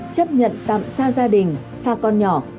chấp nhận tạm xa gia đình xa con nhỏ